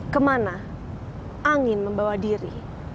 kemana angin membawa diri